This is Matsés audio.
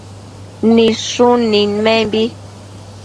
Nidshun nidmenbi